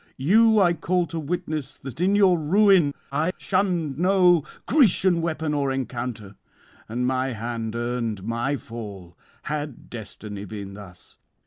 you I call to witness that in your ruin I [433 465]shunned no Grecian weapon or encounter, and my hand earned my fall, had destiny been thus.